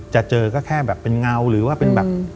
จะเจอก็แค่แบบเป็นเงาหรือว่าเป็นแบบ